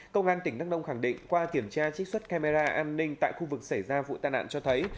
công an tỉnh đắk nông khẳng định qua kiểm tra trích xuất camera an ninh tại khu vực xảy ra vụ tai nạn cho thấy